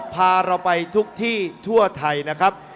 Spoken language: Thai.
พาเราไปทุกที่ทั่วไทยนะครับ